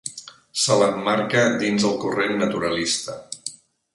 Se l'emmarca dins el corrent naturalista.